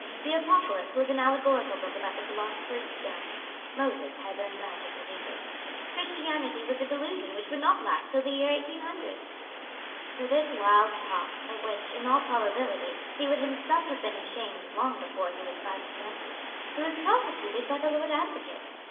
The Apocalypse was an allegorical book about the philosopher's stone. Moses had learned magic in Egypt. Christianity was a delusion which would not last till the year 1800. For this wild talk, of which, in all probability, he would himself have been ashamed long before he was five and twenty, he was prosecuted by the Lord Advocate.